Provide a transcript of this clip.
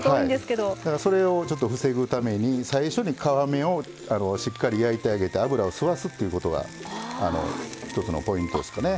それを防ぐために最初に皮目をしっかり焼いてあげて油を吸わすっていうことが一つのポイントですかね。